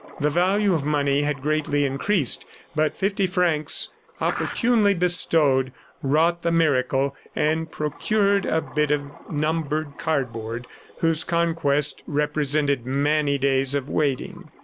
The value of money had greatly increased, but fifty francs, opportunely bestowed, wrought the miracle and procured a bit of numbered cardboard whose conquest represented many days of waiting.